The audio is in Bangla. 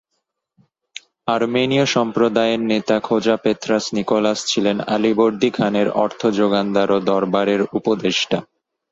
আর্মেনীয় সম্প্রদায়ের নেতা খোজা পেত্রাস নিকোলাস ছিলেন আলীবর্দী খানের অর্থ যোগানদার ও দরবারের উপদেষ্টা।